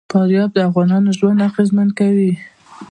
فاریاب د افغانانو ژوند اغېزمن کوي.